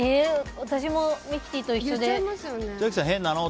私もミキティと一緒で。